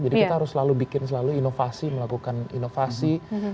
kita harus selalu bikin selalu inovasi melakukan inovasi